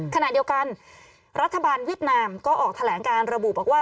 ขณะเดียวกันรัฐบาลเวียดนามก็ออกแถลงการระบุบอกว่า